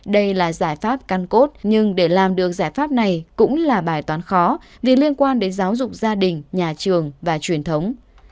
đây là giải pháp căn cốt nhưng để làm được giải pháp này cũng là bài toán khó vì liên quan đến giáo dục gia đình nhà trường và truyền thống